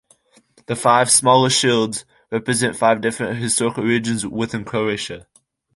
The five smaller shields represent five different historical regions within Croatia.